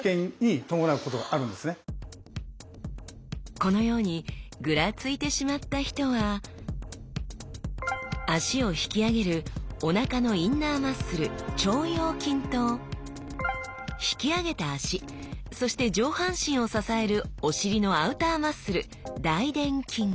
このようにグラついてしまった人は脚を引き上げるおなかのインナーマッスル腸腰筋と引き上げた脚そして上半身を支えるお尻のアウターマッスル大臀筋